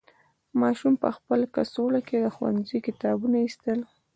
ماشوم په خپل کڅوړه کې د ښوونځي کتابونه ایستل.